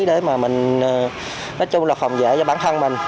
để phòng vệ cho bản thân mình